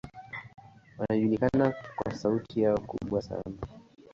Wanajulikana kwa sauti yao kubwa sana.